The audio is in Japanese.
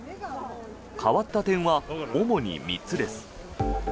変わった点は主に３つです。